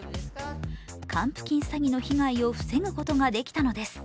還付金詐欺の被害を防ぐことができたのです。